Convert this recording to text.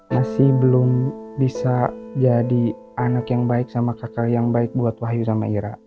masih belum bisa jadi anak yang baik sama kakak yang baik buat wahyu sama ira